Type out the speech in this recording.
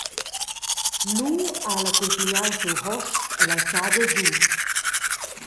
Lu ha el accumpignau siu hosp ell’alzada su.